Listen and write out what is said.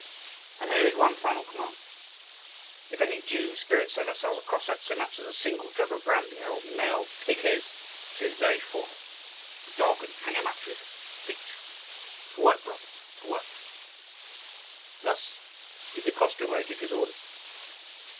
And here is one further command: if any Jew spirit seller sells a Cossack so much as a single jug of brandy, I will nail pig's ears to his very forehead, the dog, and hang him up by his feet. To work, brothers, to work!" Thus did the Koschevoi give his orders.